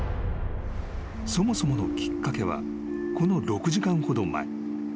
［そもそものきっかけはこの６時間ほど前］